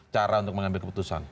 cara untuk mengambil keputusan